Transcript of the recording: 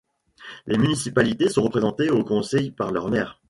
Les municipalités sont représentées au conseil par leur maire.